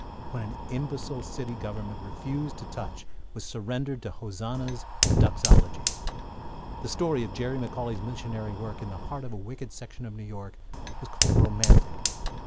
What an imbecile city government refused to touch was surrendered to hosannas and doxologies. The story of Jerry McCauley's missionary work in the heart of a wicked section of New York was called romantic.